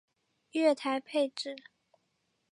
月台配置